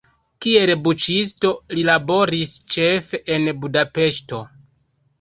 Kiel buĉisto li laboris ĉefe en Budapeŝto.